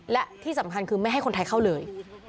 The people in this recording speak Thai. และที่สำคัญคือไม่ให้คนไทยเข้าเลย